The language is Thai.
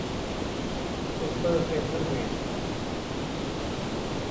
ซูเปอร์เฟเธอร์เวท